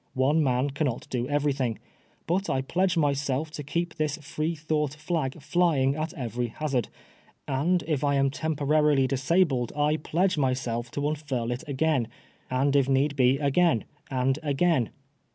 One man caimot do everything. But I pledge myself to keep this Free thoufi^ht flag flying at every ha^d, and if I am temporarily dis abled 1 pledge myself to unfurl it again, and if need be again, and gain.